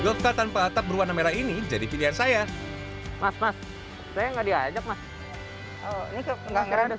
goka tanpa atap berwarna merah ini jadi pilihan saya mas mas saya nggak diajak mas